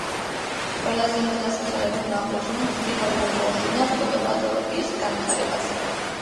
ყველა ზემოთ დასახელებულმა აღმოჩენამ დიდი გავლენა მოახდინა ფიტოპათოლოგიის განვითარებაზე.